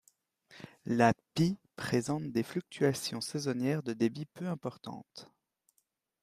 La Py présente des fluctuations saisonnières de débit peu importantes.